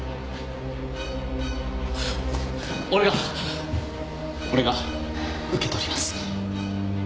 俺が俺が受け取ります。